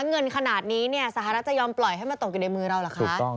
เงินขนาดนี้สหรัฐจะยอมปล่อยให้มาตกอยู่ในมือเราเหรอคะ